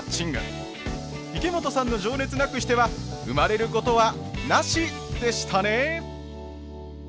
池本さんの情熱なくしては生まれることはナシでしたね。